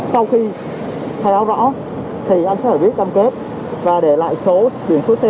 sau khi khai rõ rõ thì anh sẽ phải viết cam kết và để lại số chuyển số xe